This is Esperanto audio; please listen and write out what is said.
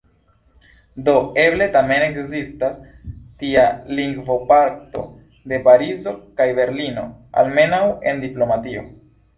Do eble tamen ekzistas tia lingvopakto de Parizo kaj Berlino – almenaŭ en diplomatio.